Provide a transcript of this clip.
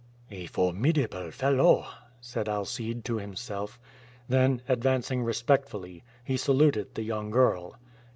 "A formidable fellow," said Alcide to himself. Then advancing respectfully, he saluted the young girl.